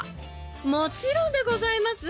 もちろんでございます。